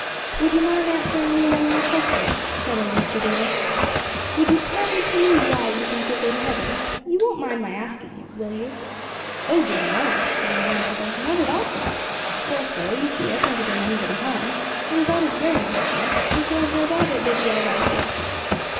'Would you mind answering me one more question?' said old Mr. Davis. 'Would you kindly tell me why you think you'll go to heaven? You won't mind my asking you, will you?' 'Oh dear, no,' said my grandfather, 'not at all, sir. Well, sir, you see I've never done anybody any harm, and God is very merciful, and so I've no doubt it will be all right at last.